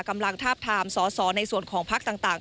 กำลังทาบทามสอสอในส่วนของพักต่าง